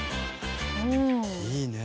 いいね。